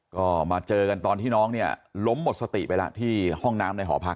ก็มาเจอกันตอนที่น้องเนี่ยล้มหมดสติไปแล้วที่ห้องน้ำในหอพัก